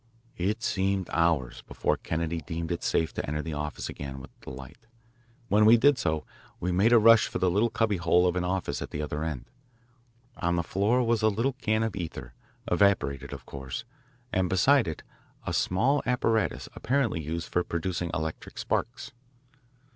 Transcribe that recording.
It seemed hours before Kennedy deemed it safe to enter the office again with a light. When we did so, we made a rush for the little cubby hole of an office at the other end. On the floor was a little can of ether, evaporated of course, and beside it a small apparatus apparently used for producing electric sparks.